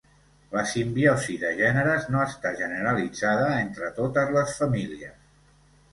La simbiosi de gèneres no està generalitzada entre totes les famílies.